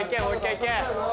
いけ！